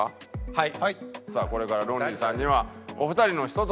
はい。